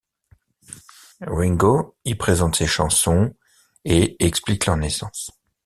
Ringo y présente ses chansons et explique leurs naissances.